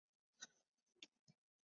而购物中心方面则有海峡岸广场。